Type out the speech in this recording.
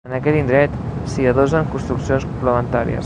En aquest indret s'hi adossen construccions complementàries.